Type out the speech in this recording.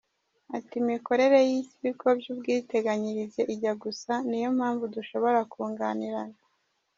Ati ”Imikorere y’ibigo by’ubwiteganyirize ijya gusa; ni yo mpamvu dushobora kunganirana.